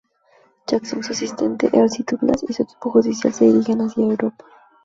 Jackson, su asistente Elsie Douglas y su equipo judicial se dirigen hacia Europa.